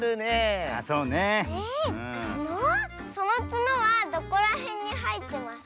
そのつのはどこらへんにはえてますか？